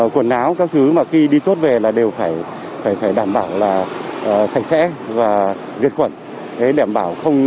khuẩn áo các thứ mà khi đi chốt về là đều phải đảm bảo là sạch sẽ và diệt khuẩn để đảm bảo không